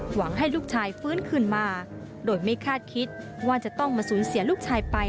หวังให้ลูกชายฟื้นคืนมาโดยไม่คาดคิดว่าจะต้องมาสูญเสียลูกชายไป